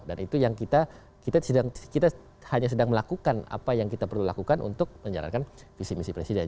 dan itu yang kita hanya sedang melakukan apa yang kita perlu lakukan untuk menjalankan visi misi presiden